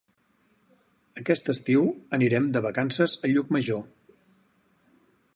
Aquest estiu anirem de vacances a Llucmajor.